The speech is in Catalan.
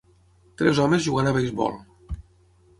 Tres homes jugant a beisbol.